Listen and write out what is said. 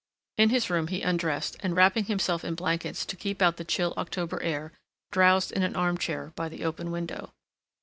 In his room he undressed and wrapping himself in blankets to keep out the chill October air drowsed in an armchair by the open window.